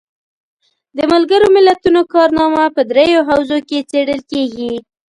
د ملګرو ملتونو کارنامه په دریو حوزو کې څیړل کیږي.